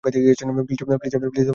Please আমাকে একা যেতে দাও!